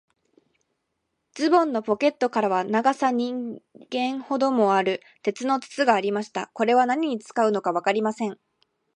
ズボンのポケットからは、長さ人間ほどもある、鉄の筒がありました。これは何に使うのかわかりません。